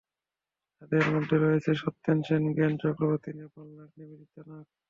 তাঁদের মধ্যে রয়েছেন সত্যেন সেন, জ্ঞান চক্রবর্তী, নেপাল নাগ, নিবেদিতা নাগ।